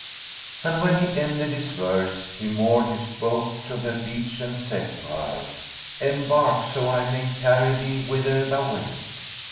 And when he ended his verse, he moored his boat to the beach and said to her, "Embark, so may I carry thee whither thou wilt."